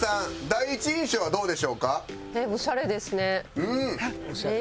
第一印象はどうでしょうか？